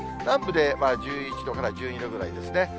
南部で１１度から１２度ぐらいですね。